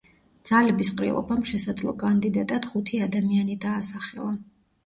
ძალების ყრილობამ შესაძლო კანდიდატად ხუთი ადამიანი დაასახელა.